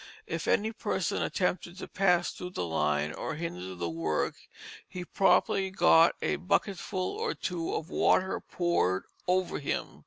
If any person attempted to pass through the line, or hinder the work, he promptly got a bucketful or two of water poured over him.